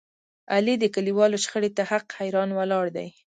علي د کلیوالو شخړې ته حق حیران ولاړ دی.